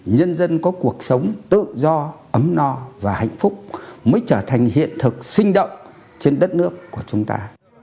nhân dân có cuộc sống tự do ấm no và hạnh phúc mới trở thành hiện thực sinh động trên đất nước của chúng ta